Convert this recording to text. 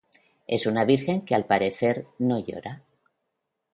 Es una Virgen, que al parecer, no llora.